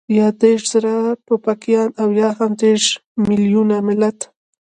يا دېرش زره ټوپکيان او يا هم دېرش مېليونه ملت.